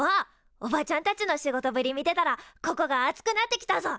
おばちゃんたちの仕事ぶり見てたらここが熱くなってきたぞ！